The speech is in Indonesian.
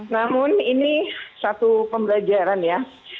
namun ini satu pembelajaran ya